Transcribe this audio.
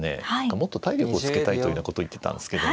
もっと体力をつけたいというようなことを言ってたんですけども。